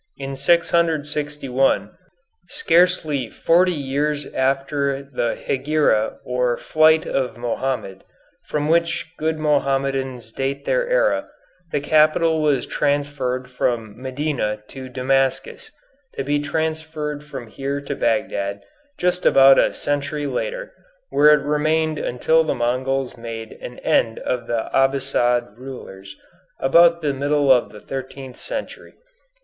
In 661, scarcely forty years after the hegira or flight of Mohammed, from which good Mohammedans date their era, the capital was transferred from Medina to Damascus, to be transferred from here to Bagdad just about a century later, where it remained until the Mongols made an end of the Abbasside rulers about the middle of the thirteenth century.